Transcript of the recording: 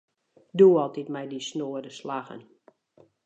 Do altyd mei dyn snoade slaggen.